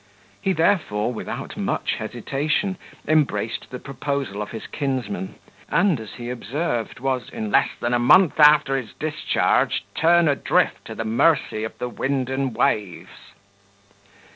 He therefore, without much hesitation, embraced the proposal of his kinsman, and, as he observed, was, in less than a month after his discharge, turned adrift to the mercy of the wind and waves.